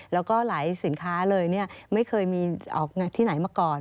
แล้วก็หลายสินค้าเลยไม่เคยมีออกที่ไหนมาก่อน